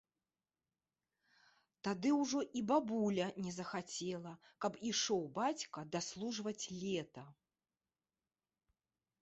Тады ўжо і бабуля не захацела, каб ішоў бацька даслужваць лета.